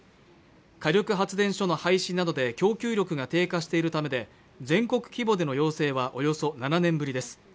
火力発電所の廃止などで供給力が低下しているためで全国規模での要請はおよそ７年ぶりです